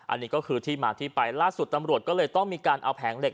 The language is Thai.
อันนี้ก็คือที่มาที่ไปล่าสุดตำรวจก็เลยต้องมีการเอาแผงเหล็ก